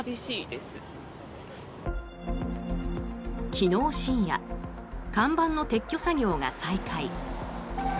昨日深夜看板の撤去作業が再開。